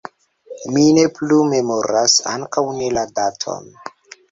Mi ne plu memoras, ankaŭ ne la daton.